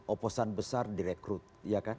oposan besar direkrut ya kan